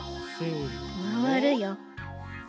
まわるよ。